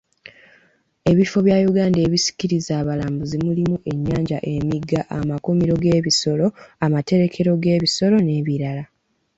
Ebifo bya Uganda ebisikiriza abalambuzi mulimu ennyanja, emigga, amakuumiro g'ebisolo, amaterekero g'ebisolo n'ebirala.